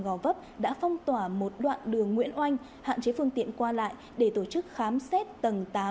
gò vấp đã phong tỏa một đoạn đường nguyễn oanh hạn chế phương tiện qua lại để tổ chức khám xét tầng tám